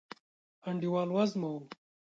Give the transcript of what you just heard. انډیوال وزمه و